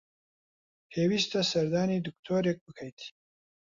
پێویستە سەردانی دکتۆرێک بکەیت.